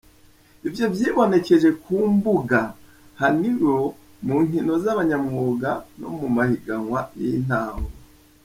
Ivyo vyibonekeje ku mbuga hwaniro, mu nkino z'abanyamwuga no mu mahiganwa y'intango.